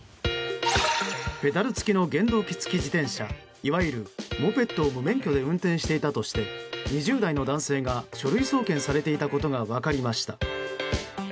ペダル付きの原動機付自転車いわゆるモペットを無免許で運転していたとして２０代の男性が書類送検されていたことが分かりました。